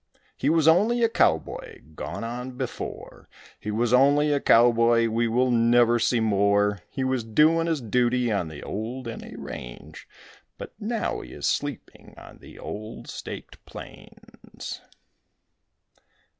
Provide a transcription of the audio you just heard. He was only a cowboy gone on before, He was only a cowboy, we will never see more; He was doing his duty on the old N A range But now he is sleeping on the old staked plains.